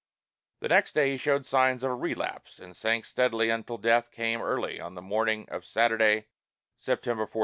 The next day, he showed signs of a relapse, and sank steadily until death came early on the morning of Saturday, September 14.